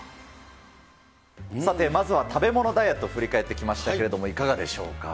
さて、まずは食べ物ダイエット、振り返ってきましたけれども、いかがでしょうか。